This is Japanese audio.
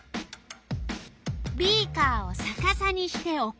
ビーカーをさかさにしておく。